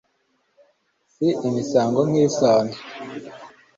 si imisango nk'isanzwe